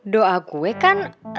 doa gue kan reva gak ketemu sama lo be